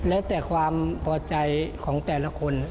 แล้วแต่ความพอใจของแต่ละคน